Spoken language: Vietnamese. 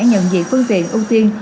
nhận diện phương tiện ưu tiên